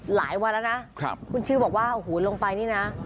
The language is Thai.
หลายวันแล้วนะคุณชิวบอกว่าโอ้โหลงไปนี่นะ